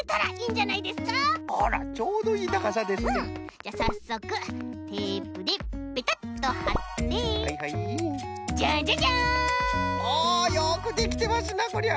じゃあさっそくテープでペタッとはってじゃんじゃじゃん！おおよくできてますなこりゃ。